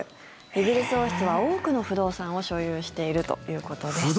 イギリス王室は多くの不動産を所有しているということです。